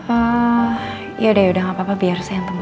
ehm yaudah yudah nggak apa apa biar saya yang temuin